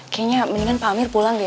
kayaknya mendingan pak amir pulang ya